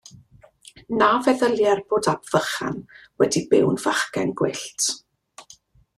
Na feddylier fod Ap Vychan wedi byw'n fachgen gwyllt.